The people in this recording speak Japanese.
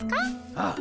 ああ。